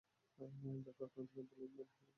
জাফর আক্রান্ত হলে Abdullah ibn Rawaha সেনাপতি হবে।